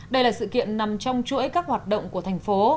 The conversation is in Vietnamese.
đây là sự kiện nằm trong chuỗi các hoạt động của thành phố